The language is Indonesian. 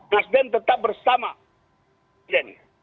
nasdem tetap bersama presiden